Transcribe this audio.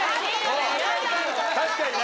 確かにな。